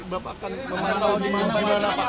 bapak akan memantau di mana pak